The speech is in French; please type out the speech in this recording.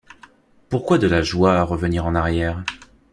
Pourquoi de la joie à revenir en arrière?